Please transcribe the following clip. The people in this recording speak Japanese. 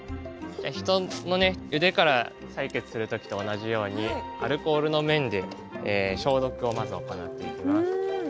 人の腕から採血する時と同じようにアルコールの綿で消毒をまず行っていきます。